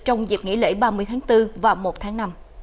trong dịp nghỉ lễ ba mươi tháng bốn và một tháng năm